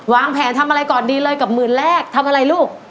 วางแผนทำอะไรก่อนดีเลยกับหมื่นแรกทำอะไรลูก